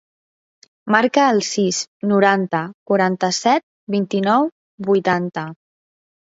Marca el sis, noranta, quaranta-set, vint-i-nou, vuitanta.